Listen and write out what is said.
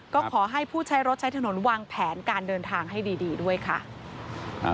ก็ขอให้ผู้ใช้รถใช้ถนนวางแผนการเดินทางให้ดีด้วยค่ะ